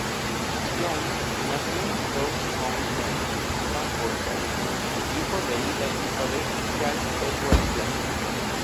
Jones nació en Stoke-on-Trent, Staffordshire, hijo de Ida Elizabeth y Charles Edward Jones.